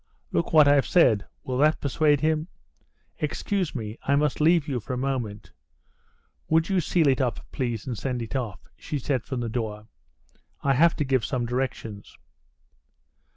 Look what I've said, will that persuade him? Excuse me, I must leave you for a minute. Would you seal it up, please, and send it off?" she said from the door; "I have to give some directions."